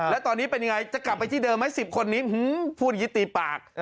แล้วตอนนี้เป็นยังไงจะกลับไปที่เดิมไหม๑๐คนนี้พูดอย่างนี้ตีปาก